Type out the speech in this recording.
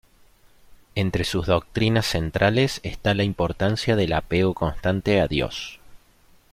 Entre sus doctrinas centrales está la importancia del apego constante a Dios.